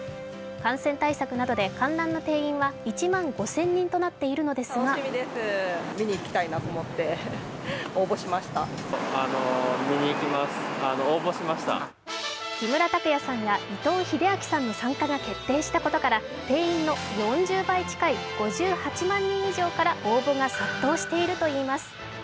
感染対策などで観覧の定員は１万５０００人となっているのですが木村拓哉さんや伊藤英明さんの参加が決定したことから定員の４０倍近い、５８万人以上から応募が殺到しているといいます。